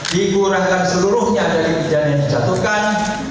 dikurangkan seluruhnya dari kejadian yang dijatuhkan